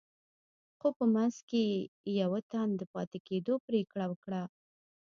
خو په منځ کې يې يوه تن د پاتې کېدو پرېکړه وکړه.